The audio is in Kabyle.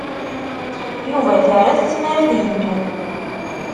Yuba terra-t tmara ad yeddu.